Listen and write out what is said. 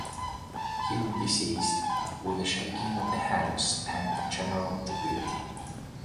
He would be seized with a shaking of the hands and general debility.